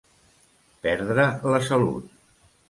Perdre la salut.